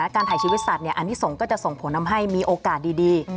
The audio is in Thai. การถ่ายชีวิตสัตว์อันนี้ส่งก็จะส่งผลทำให้มีโอกาสดี